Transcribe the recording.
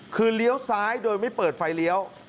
คือเลี้ยวซ้ายโดยไม่เปิดไฟเลี้ยว